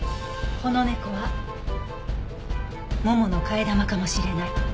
この猫はももの替え玉かもしれない。